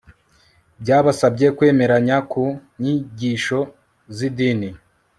byabasabye kwemeranya ku nyigisho z idini